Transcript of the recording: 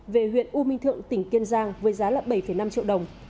về huyện u minh thượng tỉnh kiên giang với giá bảy năm triệu đồng